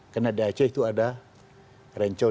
karena di aceh itu ada rencong